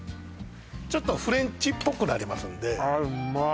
ちょっとフレンチっぽくなりますんでああうまっ